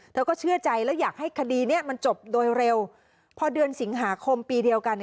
เธอก็เชื่อใจแล้วอยากให้คดีเนี้ยมันจบโดยเร็วพอเดือนสิงหาคมปีเดียวกัน